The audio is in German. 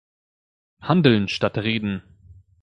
Handeln statt Reden!